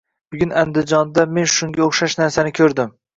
Bugun Andijonda men shunga o'xshash narsani ko'rdim